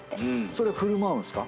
それ振る舞うんすか？